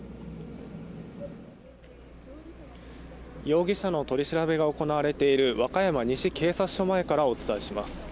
容疑者の取り調べが行われている和歌山西警察署前からお伝えします。